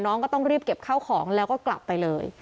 ก็ต้องรีบเก็บข้าวของแล้วก็กลับไปเลย